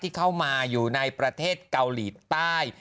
เข้ามาอยู่ในประเทศเกาหลีใต้